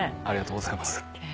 ありがとうございます。